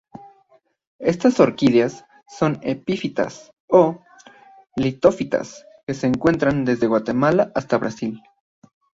Estas orquídeas son epífitas ó litófitas, que se encuentran desde Guatemala hasta Brasil.